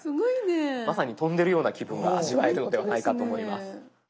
まさに飛んでるような気分が味わえるのではないかと思います。